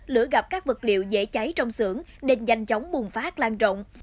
lửa gặp các vật liệu dễ cháy trong xưởng nên nhanh chóng bùng phát lan rộng